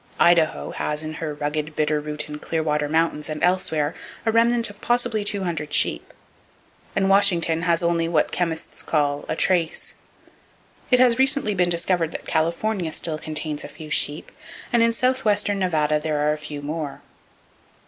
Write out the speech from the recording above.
Idaho has in her rugged Bitter Root and Clearwater Mountains and elsewhere, a remnant of possibly two hundred sheep, and Washington has only what chemists call "a trace." It has recently been discovered that California still contains a few sheep, and in southwestern Nevada there are a few more.